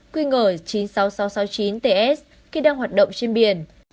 quy ngờ chín mươi sáu nghìn sáu trăm sáu mươi chín ts khi đang hoạt động trên biển